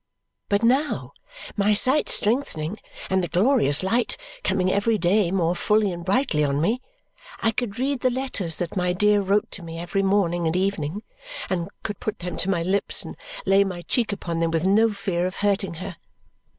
But now, my sight strengthening and the glorious light coming every day more fully and brightly on me, I could read the letters that my dear wrote to me every morning and evening and could put them to my lips and lay my cheek upon them with no fear of hurting her.